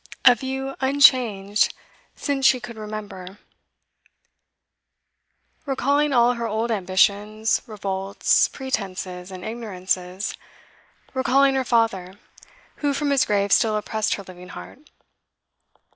A view unchanged since she could remember; recalling all her old ambitions, revolts, pretences, and ignorances; recalling her father, who from his grave still oppressed her living heart.